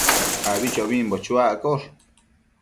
abichobimbo chuaccosh